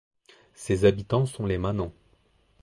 Ses habitants sont les Manants.